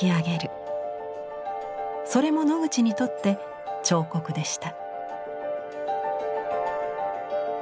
それもノグチにとって彫刻でした。